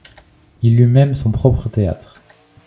Il eut même son propre théâtre.